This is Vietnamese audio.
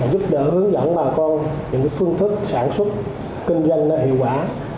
giúp đỡ hướng dẫn bà con những phương thức sản xuất kinh doanh hiệu quả